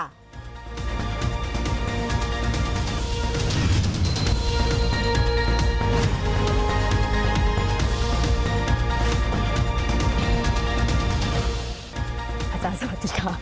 อาจารย์สวัสดีค่ะ